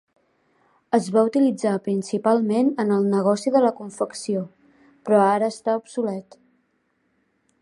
Es va utilitzar principalment en el negoci de la confecció, però ara està obsolet.